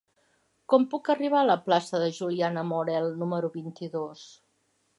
Com puc arribar a la plaça de Juliana Morell número vint-i-dos?